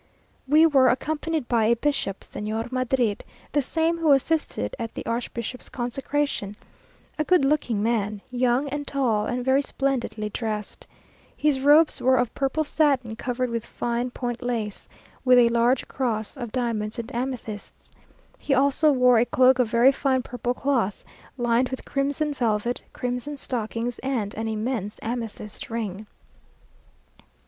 We were accompanied by a bishop, Señor Madrid, the same who assisted at the archbishop's consecration a good looking man, young and tall, and very splendidly dressed. His robes were of purple satin, covered with fine point lace, with a large cross of diamonds and amethysts. He also wore a cloak of very fine purple cloth, lined with crimson velvet, crimson stockings, and an immense amethyst ring.